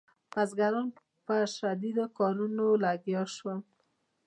بزګران په شدیدو کارونو لګیا شول.